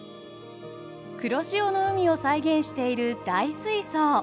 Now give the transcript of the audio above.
黒潮の海を再現している大水槽！